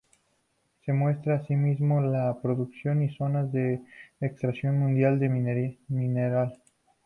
Se muestra, asimismo, la producción y zonas de extracción mundial del mineral.